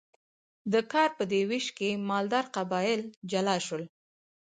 د کار په دې ویش کې مالدار قبایل جلا شول.